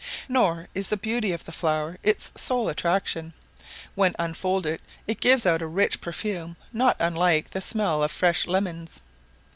Nor is the beauty of the flower its sole attraction: when unfolded it gives out a rich perfume not unlike the smell of fresh lemons.